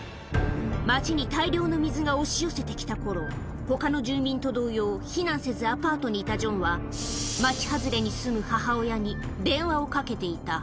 街に大量の水が押し寄せてきたころ、ほかの住民と同様、避難せずアパートにいたジョンは、街外れに住む母親に電話をかけていた。